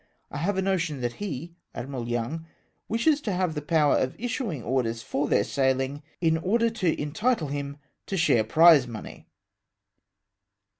I have a notion that he (Admiral Young) wishes to have the power of issuing orders for their sailing, in order to entitle him to share prize money